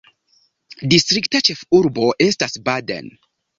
Distrikta ĉefurbo estas Baden.